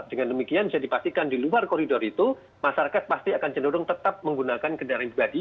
dengan demikian bisa dipastikan di luar koridor itu masyarakat pasti akan cenderung tetap menggunakan kendaraan pribadi